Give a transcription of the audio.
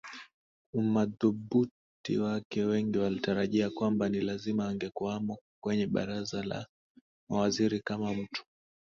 umadhubuti wake Wengi walitarajia kwamba ni lazima angekuwamo kwenye baraza la mawaziri kama mtu